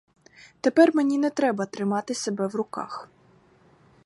Тепер мені не треба тримати себе в руках.